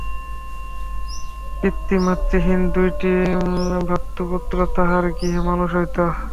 পিতৃমাতৃহীন দুইটি ভ্রাতুষ্পুত্র তাঁহার গৃহে মানুষ হইত।